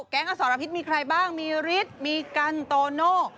อสรพิษมีใครบ้างมีฤทธิ์มีกันโตโน่